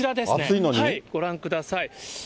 ご覧ください。